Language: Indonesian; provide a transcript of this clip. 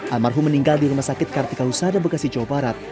almarhum meninggal di rumah sakit kartika husada bekasi jawa barat